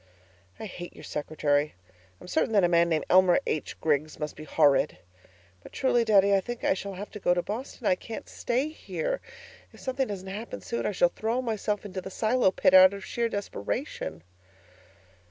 I hate your secretary. I am certain that a man named Elmer H. Griggs must be horrid. But truly, Daddy, I think I shall have to go to Boston. I can't stay here. If something doesn't happen soon, I shall throw myself into the silo pit out of sheer desperation.